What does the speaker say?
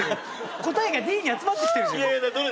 答えがＤに集まってきてるじゃん。